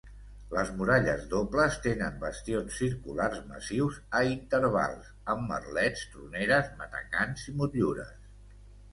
Les muralles dobles tenen bastions circulars massius a intervals, amb merlets, troneres, matacans i motllures.